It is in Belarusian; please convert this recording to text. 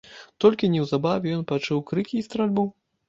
Толькі неўзабаве ён пачуў крыкі і стральбу.